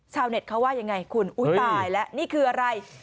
ชาวเน็ตเขาว่ายังไงคุณอุ้ยตายแล้วนี่คืออะไร